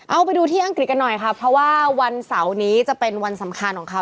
เอาไปดูที่อังกฤษกันหน่อยค่ะเพราะว่าวันเสาร์นี้จะเป็นวันสำคัญของเขา